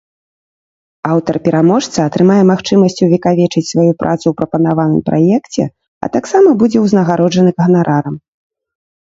Аўтар-пераможца атрымае магчымасць увекавечыць сваю працу ў прапанаваным праекце, а таксама будзе ўзнагароджаны ганарарам.